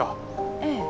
ええ。